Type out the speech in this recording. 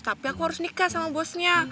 tapi aku harus nikah sama bosnya